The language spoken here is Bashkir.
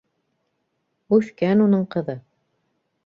Үҫкән уның ҡыҙы.